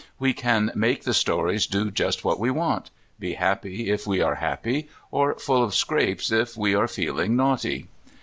We can make the stories do just what we want, be happy if we are happy, or full of scrapes if we are feeling naughty.